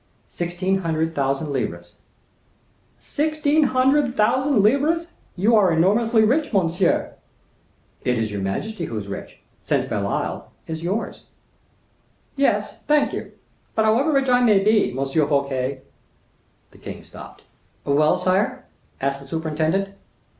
"Sixteen hundred thousand livres." "Sixteen hundred thousand livres! you are enormously rich, monsieur." "It is your majesty who is rich, since Belle Isle is yours." "Yes, thank you; but however rich I may be, M. Fouquet—" The king stopped. "Well, sire?" asked the superintendent.